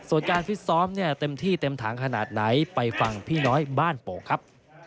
ส่วนการฟิตซ้อมเนี่ยเต็มที่เต็มถังขนาดไหนไปฟังพี่น้อยบ้านโป่งครับ